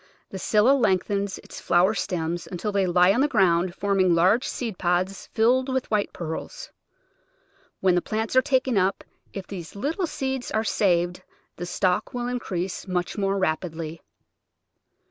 The Scilla lengthens its flower stems until they lie on the ground, forming large seed pods filled with white pearls. When the plants are taken up, if these little seeds are saved the stock will increase much more rap idly.